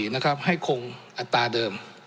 ๖๔๙๔นะครับให้คงอัตราเดิม